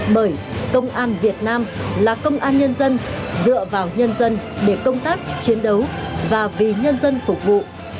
bởi công an việt nam là công an nhân dân dựa vào nhân dân để công tác chiến đấu và vì nhân dân phục vụ